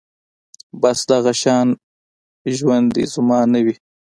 بس دغه شان ژوند دې زما نه وي